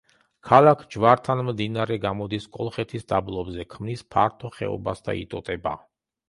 ქალაქ ჯვართან მდინარე გამოდის კოლხეთის დაბლობზე, ქმნის ფართო ხეობას და იტოტება.